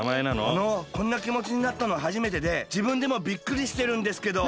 あのこんなきもちになったのはじめてでじぶんでもびっくりしてるんですけど。